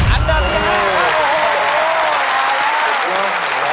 อันดับ๕ครับโอ้โหมาแล้ว